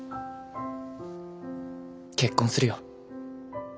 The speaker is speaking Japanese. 結婚するよ。